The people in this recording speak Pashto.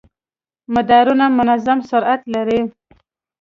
مدارونه منظم سرعت لري.